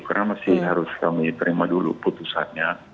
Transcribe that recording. karena masih harus kami terima dulu putusannya